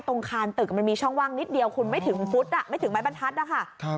ก็ตรงคานตึกมันมีช่องว่างนิดเดียวคุณไม่ถึงฟุตไม่ถึงแม่บ้านทัศน์